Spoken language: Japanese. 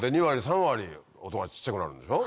２割３割音が小っちゃくなるんでしょ。